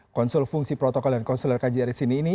konsul fungsi protokol dan konsuler kjri sini ini